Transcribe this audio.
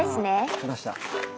着きました。